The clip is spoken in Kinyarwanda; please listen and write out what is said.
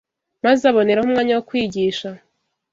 maze aboneraho umwanya wo kwigisha